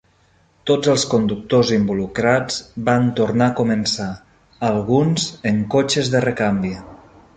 Tots els conductors involucrats van tornar a començar. Alguns en cotxes de recanvi.